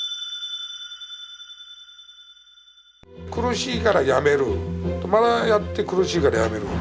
苦しいからやめるまたやって苦しいからやめる。